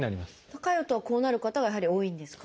高い音はこうなる方がやはり多いんですか？